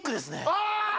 ああ！